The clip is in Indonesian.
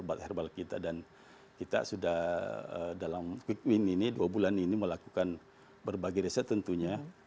obat herbal kita dan kita sudah dalam quick win ini dua bulan ini melakukan berbagai riset tentunya